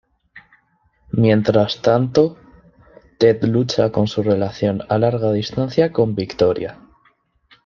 Mientras tanto, Ted lucha con su relación a larga distancia con Victoria.